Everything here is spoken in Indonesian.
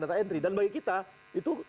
data entry dan bagi kita itu